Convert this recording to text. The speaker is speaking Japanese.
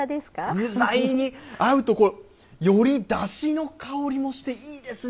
具材に合うと、こう、よりだしの香りもしていいですね。